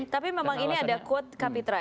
tapi memang ini ada quote kapitra